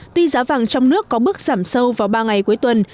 tuy giá vàng trong nước có bước giảm sâu vào ba ngày cuối tuần